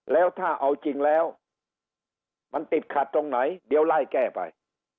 แล้วถ้าเอาจริงแล้วมันติดขัดตรงไหนเดี๋ยวไล่แก้ไป